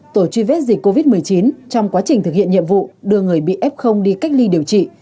tổ truy vết dịch covid một mươi chín trong quá trình thực hiện nhiệm vụ đưa người bị f đi cách ly điều trị